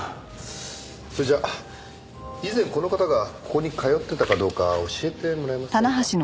それじゃあ以前この方がここに通ってたかどうか教えてもらえませんか？